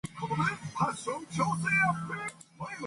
we are moving now,’ said the old gentleman exultingly.